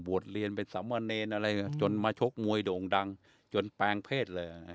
เรียนเป็นสามเณรอะไรจนมาชกมวยโด่งดังจนแปลงเพศเลย